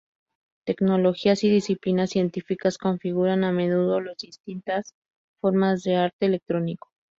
Tecnologías y disciplinas científicas configuran, a menudo, las distintas formas del Arte Electrónico.